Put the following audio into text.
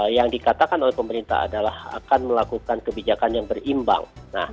yang dikatakan oleh pemerintah adalah akan melakukan kebijakan yang berimbang